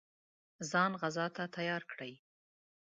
ځان غزا ته تیار کړي.